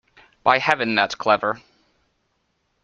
By Heaven, that's clever!